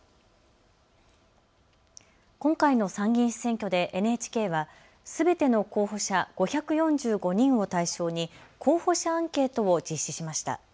今回の参議院選挙でＮＨＫはすべての候補者５４５人を対象に候補者アンケートを実施しました。